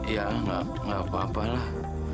ya nggak apa apalah